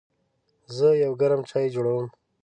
زه یو ګرم چای جوړوم.